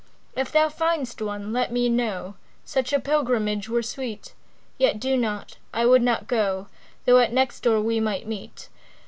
If thou find'st one let me know; Such a pilgrimage were sweet. Yet do not; I would not go, Though at next door we might meet.